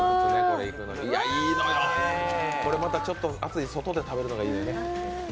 これまたちょっと暑い外で食べるのがいいのよね。